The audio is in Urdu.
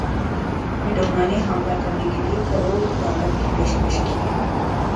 میڈونا نے حاملہ کرنے کیلئے کروڑ ڈالر کی پیشکش کی